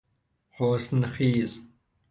حسن خیز